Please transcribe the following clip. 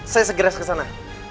saya segera kesana